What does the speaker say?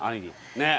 ねえ。